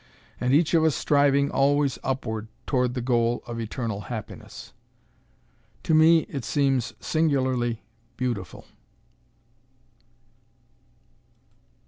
And each of us striving always upward toward the goal of Eternal Happiness. To me it seems singularly beautiful.